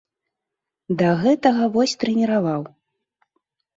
Да гэтага вось, трэніраваў.